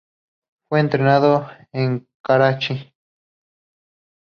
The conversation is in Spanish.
Fue enterrado en Karachi.